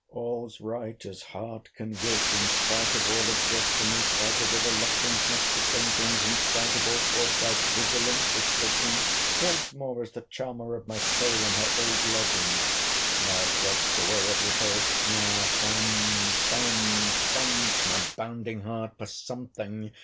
All's right, as heart can wish!—In spite of all objection—in spite of a reluctance next to faintings—in spite of all foresight, vigilance, suspicion—once more is the charmer of my soul in her old lodgings! Now throbs away every pulse! Now thump, thump, thumps my bounding heart for something!